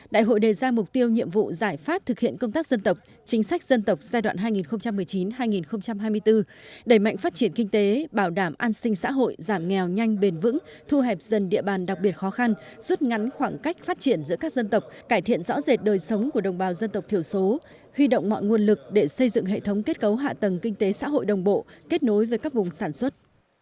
đại hội đề ra mục tiêu nhiệm vụ giải pháp thực hiện công tác dân tộc chính sách dân tộc giai đoạn hai nghìn một mươi chín hai nghìn hai mươi bốn đẩy mạnh phát triển kinh tế bảo đảm an sinh xã hội giảm nghèo nhanh bền vững thu hẹp dân địa bàn đặc biệt khó khăn rút ngắn khoảng cách phát triển giữa các dân tộc cải thiện rõ rệt đời sống của đồng bào dân tộc thiểu số huy động mọi nguồn lực để xây dựng hệ thống kết cấu hạ tầng kinh tế xã hội đồng bộ kết nối với các vùng sản xuất